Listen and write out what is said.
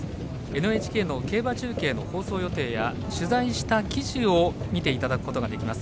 ＮＨＫの競馬中継の放送予定や取材した騎手を見ていただくことができます。